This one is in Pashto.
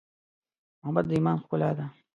محبت د ایمان ښکلا ده.